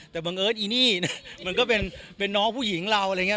แต่บังเอิญอีนี่มันก็เป็นน้องผู้หญิงเราอะไรอย่างนี้